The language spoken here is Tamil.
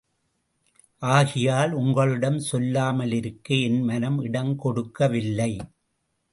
ஆகையால் உங்களிடம் சொல்லாமலிருக்க என் மனம் இடம் கொடுக்கவில்லை.